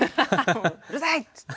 もううるさいっつって。